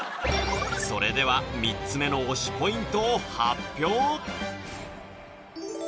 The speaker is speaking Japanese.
それでは３つ目の推しポイントを発表